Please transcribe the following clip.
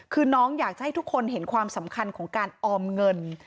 คือน้องอยากจะให้ทุกคนเห็นความสำคัญของการออมเงิน